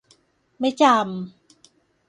ไม่จำ